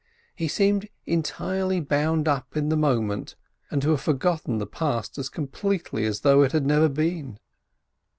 He seemed entirely bound up in the moment, and to have forgotten the past as completely as though it had never been.